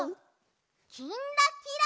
「きんらきら」。